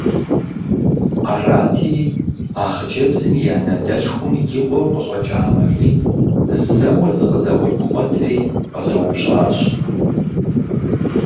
Арати, а хъыджэбзым и анэ дэлъхум и къуэу къыщӀэкӀа Мэжид зэуэ зыкъызэкъуипхъуэтри къызэупщӀащ.